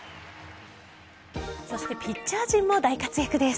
そしてピッチャー陣も大活躍です。